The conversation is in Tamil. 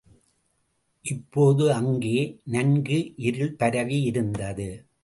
இப்போது அங்கே நன்கு இருள் பரவியிருந்தது.